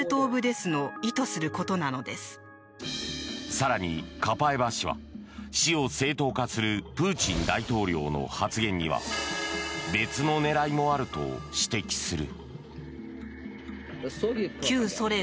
更に、カパエバ氏は死を正当化するプーチン大統領の発言には別の狙いもあると指摘する。